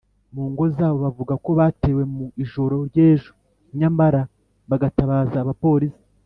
mu ngo zabo bavuga ko batewe mu ijoro ryejo nyamara bagatabaza abapolisi